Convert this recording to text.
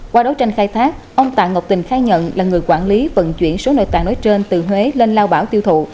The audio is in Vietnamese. qua đấu tranh khai thác ông tạng ngọc tình khai nhận là người quản lý vận chuyển số nội tạng nói trên từ huế lên lao bảo tiêu thụ